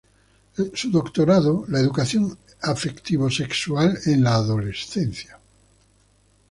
Su doctorado "La educación afectivo-sexual en la adolescencia.